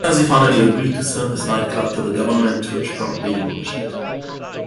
Tursi finally agreed to sell his nightclub to the government, which promptly demolished it.